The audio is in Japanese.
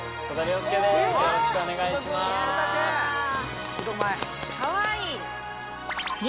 よろしくお願いしますいや